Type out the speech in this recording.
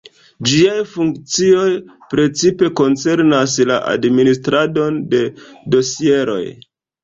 Ĝiaj funkcioj precipe koncernas la administradon de dosieroj.